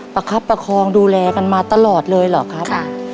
คับประคองดูแลกันมาตลอดเลยเหรอครับ